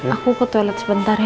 aku ke toilet sebentar ya